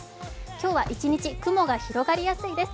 今日は１日雲が広がりやすいです。